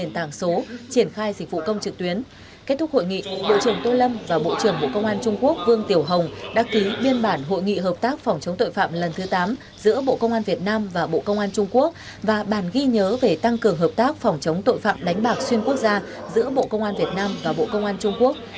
trung quốc vương tiểu hồng đã ký biên bản hội nghị hợp tác phòng chống tội phạm lần thứ tám giữa bộ công an việt nam và bộ công an trung quốc và bàn ghi nhớ về tăng cường hợp tác phòng chống tội phạm đánh bạc xuyên quốc gia giữa bộ công an việt nam và bộ công an trung quốc